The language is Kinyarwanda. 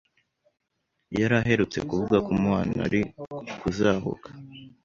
yari aherutse kuvuga ko umubano uri kuzahuka